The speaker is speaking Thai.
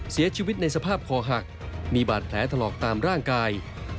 เสียชีวิตในสภาพคอหักมีบาดแผลถลอกตามร่างกาย